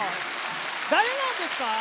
だれなんですか？